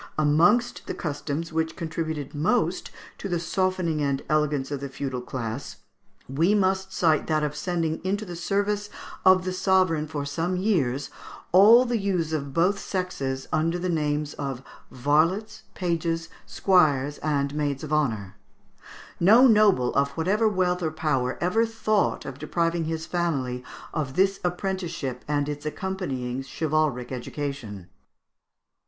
Amongst the customs which contributed most to the softening and elegance of the feudal class, we must cite that of sending into the service of the sovereign for some years all the youths of both sexes, under the names of varlets, pages, squires, and maids of honour. No noble, of whatever wealth or power, ever thought of depriving his family of this apprenticeship and its accompanying chivalric education.